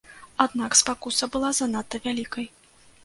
Аднак спакуса была занадта вялікай.